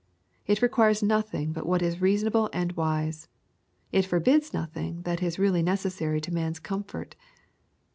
It requires nothing but what is reasonable and wise. It forbids nothing that is real!y necessary to man's comfort.